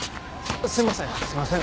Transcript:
すいません。